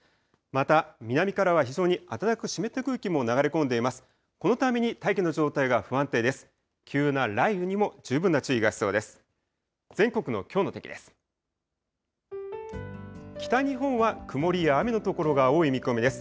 また、南からは非常に暖かく湿った空気が流れ込んでいます。